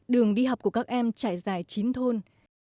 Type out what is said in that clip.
đường đi học của các em trải dài chín thôn